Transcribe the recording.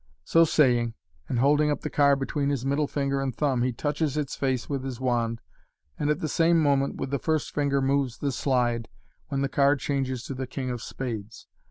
*' So saying, and holding up the card between his middle finger and thumb, he touches its face with his wand, and at the same moment with the first finger moves the slide, when the card changes to the king of spades.